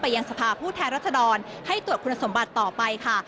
ยังสภาพผู้แทนรัศดรให้ตรวจคุณสมบัติต่อไปค่ะ